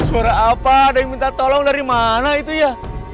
suara apa ada yang minta tolong dari mana itu ya